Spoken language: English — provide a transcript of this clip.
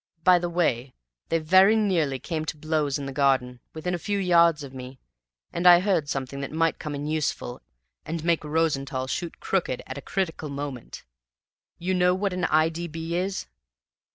By the way, they very nearly came to blows in the garden, within a few yards of me, and I heard something that might come in useful and make Rosenthall shoot crooked at a critical moment. You know what an I. D. B. is?"